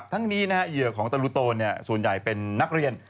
ทั้งนี้เหยื่อของตะลุโตนส่วนใหญ่เป็นนักเรียน